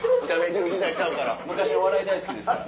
全然私お笑い大好きですから。